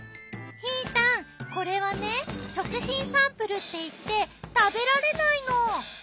ひーたんこれはね食品サンプルっていって食べられないの。